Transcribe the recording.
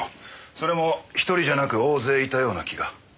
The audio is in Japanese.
それも１人じゃなく大勢いたような気が。